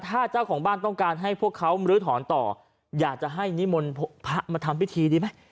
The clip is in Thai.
ถ้าเจ้าของบ้านต้องการให้พวกเขามรื้อถอนต่ออยากจะให้นิมนต์พระมาทำพิธีดีไหม